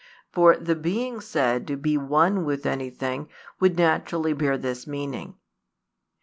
For the being said to be one with anything would naturally bear this meaning.